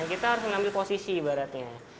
kita harus mengambil posisi ibaratnya